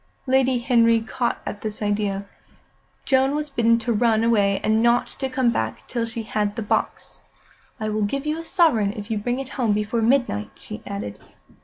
Lady Henry caught at this idea. Joan was bidden to run away and not to come back till she had the box. "I will give you a sovereign if you bring it home before midnight," she added.